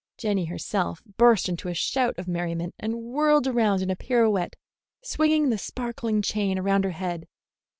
Jenny herself burst into a shout of merriment and whirled about in a pirouette, swinging the sparkling chain around her head.